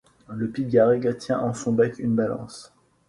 Le pygargue tient en son bec une balance.